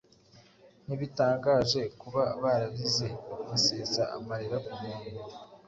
ntibitangaje kuba bararize, basesa amarira ku ntumbi.